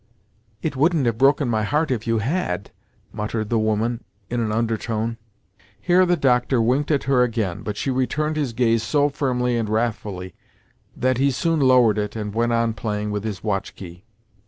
"It wouldn't have broken my heart if you had!" muttered the woman in an undertone. Here the doctor winked at her again, but she returned his gaze so firmly and wrathfully that he soon lowered it and went on playing with his watch key.